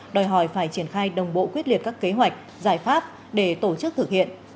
đòi hỏi phải triển khai đồng bộ quyết liệt các kế hoạch giải pháp để tổ chức thực hiện